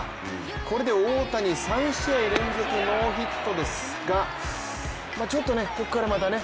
これで大谷３試合連続ノーヒットですがちょっと、ここからまたね。